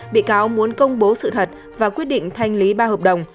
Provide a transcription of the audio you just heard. bị cáo muốn công bố sự thật và quyết định thanh lý ba hợp đồng